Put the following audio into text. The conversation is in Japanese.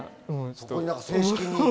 そこに正式に。